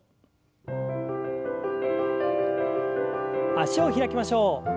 脚を開きましょう。